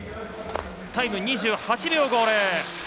タイム２８秒５０。